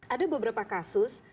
ada beberapa kasus